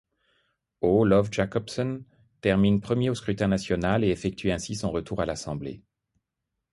O’love Jacobsen termine première au scrutin national, et effectue ainsi son retour à l'Assemblée.